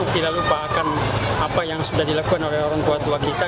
tidak lupakan apa yang sudah dilakukan oleh orang tua tua kita